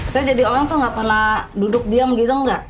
saya jadi orang tuh gak pernah duduk diam gitu nggak